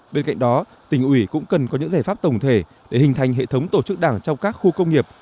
bên cạnh đó tỉnh ủy cũng cần có những giải pháp tổng thể để hình thành hệ thống tổ chức đảng trong các khu công nghiệp